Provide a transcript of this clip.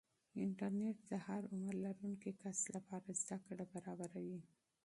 انټرنیټ د هر عمر لرونکي کس لپاره زده کړه برابروي.